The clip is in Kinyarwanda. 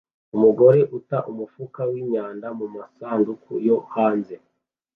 Umugore uta umufuka wimyanda mumasanduku yo hanze